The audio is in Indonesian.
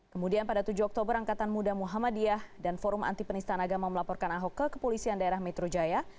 kemudian pada tujuh oktober angkatan muda muhammadiyah dan forum anti penistaan agama melaporkan ahok ke kepolisian daerah metro jaya